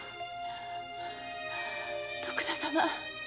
徳田様。